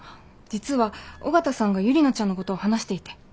実は尾形さんがユリナちゃんのことを話していて。